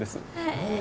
へえ。